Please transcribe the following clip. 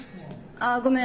あっごめん